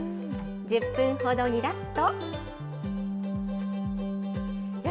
１０分ほど煮出すと。